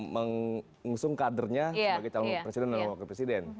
mengusung kadernya sebagai calon presiden dan wakil presiden